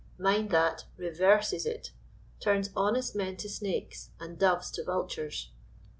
Mind that, reverses it! turns honest men to snakes, and doves to vultures.